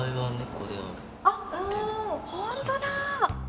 あっ本当だ！